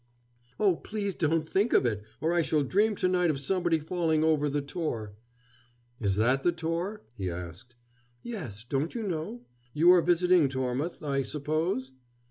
"Oh, please don't think of it, or I shall dream to night of somebody falling over the Tor." "Is that the Tor?" he asked. "Yes; don't you know? You are visiting Tormouth, I suppose?"